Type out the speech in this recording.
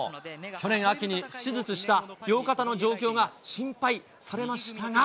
去年秋に手術した両肩の状況が心配されましたが。